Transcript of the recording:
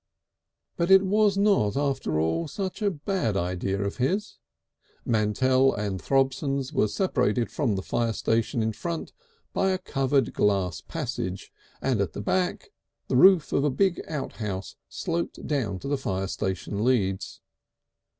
But it was not, after all, such a bad idea of his. Mantell and Throbsons was separated from the fire station in front by a covered glass passage, and at the back the roof of a big outhouse sloped down to the fire station leads.